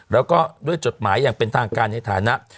แล้วก็ด้วยจดหมายอย่างเป็นทางการในฐานะ